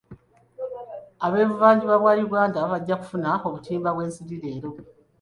Ab'ebuvanjuba bwa Uganda bajja kufuna obutimba bw'ensiri leero.